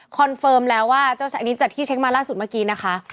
เฟิร์มแล้วว่าอันนี้จากที่เช็คมาล่าสุดเมื่อกี้นะคะ